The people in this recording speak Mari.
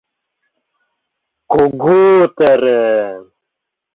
Кугу терем.